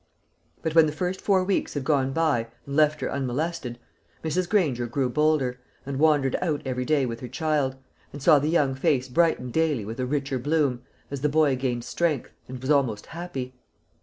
But when the first four weeks had gone by, and left her unmolested, Mrs. Granger grew bolder, and wandered out every day with her child, and saw the young face brighten daily with a richer bloom, as the boy gained strength, and was almost happy.